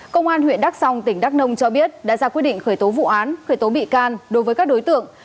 công an huyện đắk song tỉnh đắk nông cho biết đã ra quyết định khởi tố vụ án khởi tố bị can đối với các đối tượng